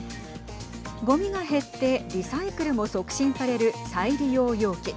ごみが減ってリサイクルも促進される再利用容器。